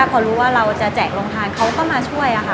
พอรู้ว่าเราจะแจกโรงทานเขาก็มาช่วยค่ะ